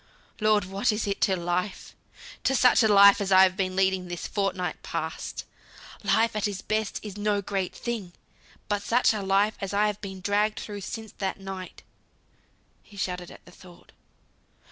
Lord, what is it to Life? To such a life as I've been leading this fortnight past. Life at best is no great thing; but such a life as I have dragged through since that night," he shuddered at the thought.